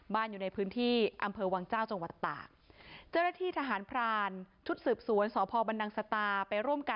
บ้านอยู่ในพื้นที่อำเภอวังเจ้าจังหวัดตาก